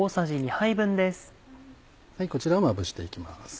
こちらをまぶして行きます。